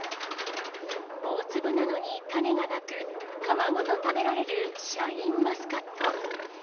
大粒なのに、種がなく、皮ごと食べられるシャインマスカット。